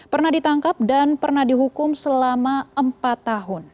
pernah ditangkap dan pernah dihukum selama empat tahun